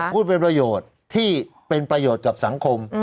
พูดเป็นประโยชน์ที่เป็นประโยชน์กับสังคม